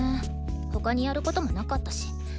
他にやることもなかったし。